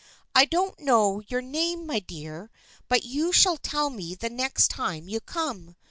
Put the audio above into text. I don't know your name, my dear, but you shall tell me the next time you come.